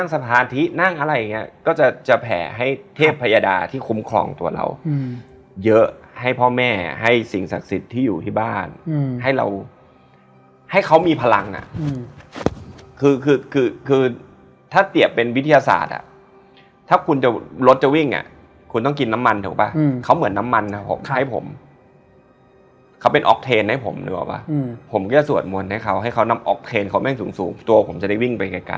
นานนานก็ปกติน่ะนางนานปกติว่ามิวไม่งี้อะไรลงมาแล้วเราก็เป็นตัวตั้งโทษดีวะว่าอ่าง